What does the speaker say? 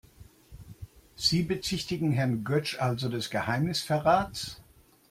Sie bezichtigen Herrn Götsch also des Geheimnisverrats?